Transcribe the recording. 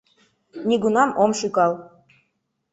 Нигунам ом шӱкал.